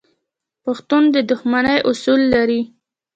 پښتون د دښمنۍ اصول لري.